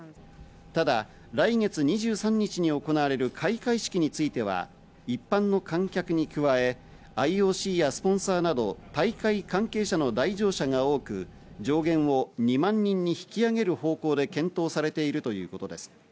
ただ来月２３日に行われる開会式については、一般の観客に加え、ＩＯＣやスポンサーなど大会関係者の来場者が多く、上限を２万人に引き上げる方向で検討されているということです。